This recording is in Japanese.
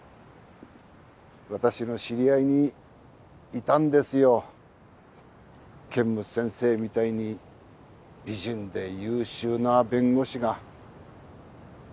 私の知り合いにいたんですよ剣持先生みたいに美人で優秀な弁護士が。